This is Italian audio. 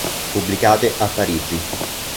Pubblicate a Parigi.